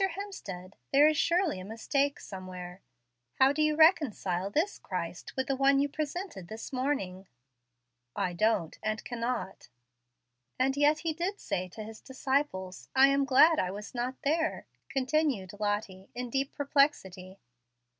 Hemstead, there is surely a mistake somewhere. How do you reconcile this Christ with the one you presented this morning?" "I don't, and cannot." "And yet He did say to His disciples, 'I am glad I was not there,'" continued Lottie, in deep perplexity.